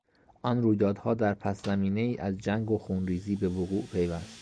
آن رویدادها در پسزمینهای از جنگ و خونریزی به وقوع پیوست.